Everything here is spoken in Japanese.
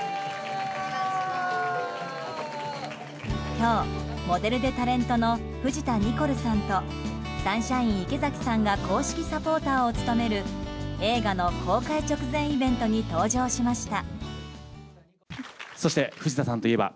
今日、モデルでタレントの藤田ニコルさんとサンシャイン池崎さんが公式サポーターを務める映画の公開直前イベントに登場しました。